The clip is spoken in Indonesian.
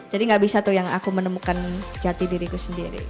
gak bisa tuh yang aku menemukan jati diriku sendiri